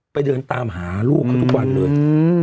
เดินตามหาลูกเขาทุกวันเลย